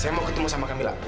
saya mau ketemu sama kamilah